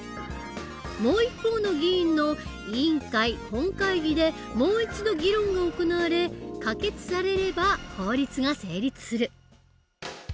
もう一方の議員の委員会本会議でもう一度議論が行われ可決されれば法律が成立する。